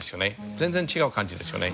全然違う感じですよね。